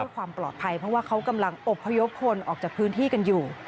เพื่อความปลอดภัยเพราะว่าเขากำลังอบพยพคนออกจากพื้นที่กันอยู่